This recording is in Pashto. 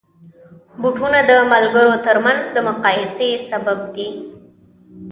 بوټونه د ملګرو ترمنځ د مقایسې سبب دي.